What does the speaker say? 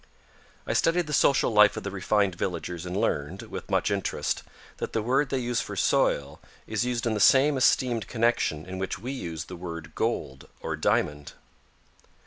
I studied the social life of the refined villagers and learned, with much interest, that the word they use for soil, is used in the same esteemed connection in which we use the word gold or diamond.